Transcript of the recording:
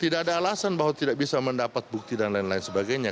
tidak ada alasan bahwa tidak bisa mendapat bukti dan lain lain sebagainya